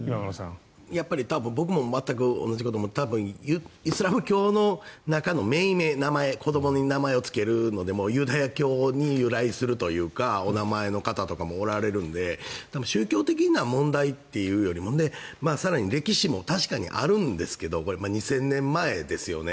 僕も全く同じことを思って多分、イスラム教の中の命名、名前子どもに名前をつけるのもでユダヤ教に由来するというかお名前の方もおられると思うので宗教的な問題というよりも更に歴史も確かにあるんですけど２０００年前ですよね。